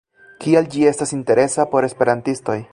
Kial ĝi estas interesa por esperantistoj?